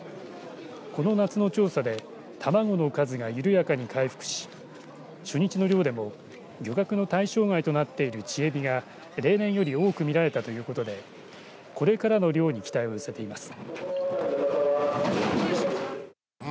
この夏の調査で卵の数が緩やかに回復し初日の漁でも漁獲の対象外となっている稚えびが例年より多く見られたということでこれからの漁に期待を寄せています。